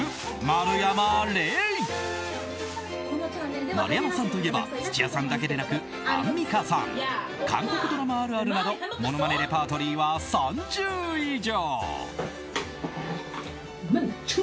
丸山さんといえば土屋さんだけでなくアンミカさん韓国ドラマあるあるなどものまねレパートリーは３０以上。